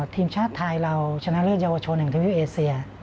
ทีมชาติไทยเราชนะเลือดเยาวชนอย่างทีมฟิวเอเซีย